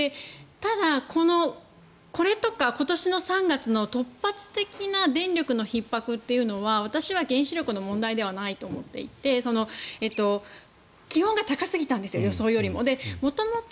ただ、これとか今年の３月の突発的な電力のひっ迫というのは私は原子力の問題ではないと思っていて気温が高すぎたんですよ